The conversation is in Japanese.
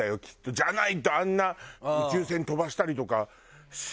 じゃないとあんな宇宙船飛ばしたりとかしないでしょ。